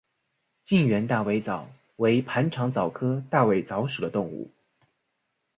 近缘大尾蚤为盘肠蚤科大尾蚤属的动物。